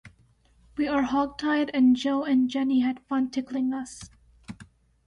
We were hogtied and Joe and Jenny had fun tickling us.